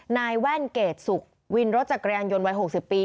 แว่นเกรดศุกร์วินรถจักรยานยนต์วัย๖๐ปี